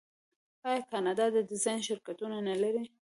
آیا کاناډا د ډیزاین شرکتونه نلري؟